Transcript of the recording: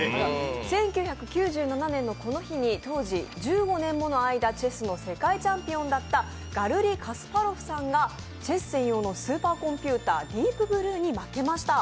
１９９７年のこの日に、当時、１５年もの間、チェスのチャンピオンだったガルリ・カスパロフさんがチェス専用のスーパーコンピュータディープ・ブルーに負けました。